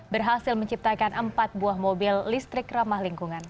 berhasil menciptakan empat buah mobil listrik ramah lingkungan